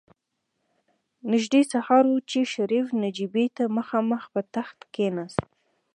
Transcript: نژدې سهار و چې شريف نجيبې ته مخامخ په تخت کېناست.